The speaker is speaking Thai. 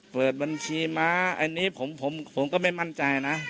เปิดบัญชีม้าอันนี้ผมก็ไม่มั่นใจนะ